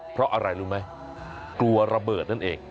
เพราะอะไรรู้ไหมกลัวระเบิดนั่นเอง